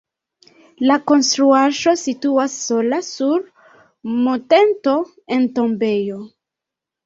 La konstruaĵo situas sola sur monteto en tombejo.